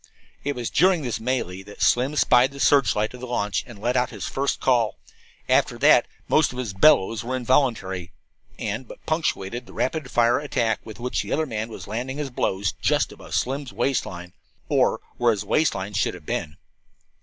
It was during this mêlée that Slim spied the searchlight of the launch and let out his first call. After that most of his "bellows" were involuntary and but punctuated the rapid fire attack with which the other man was landing his blows just above Slim's waist line, or where his waist line should have been.